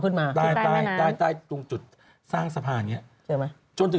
ก็พยายามสร้างสะพานได้ไหม